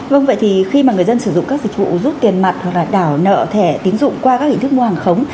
vâng vậy thì khi mà người dân sử dụng các dịch vụ rút tiền mặt hoặc là đảo nợ thẻ tín dụng qua các hình thức mua hàng khống